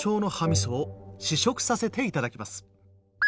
みそを試食させていただきます。